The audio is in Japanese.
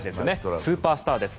スーパースターです。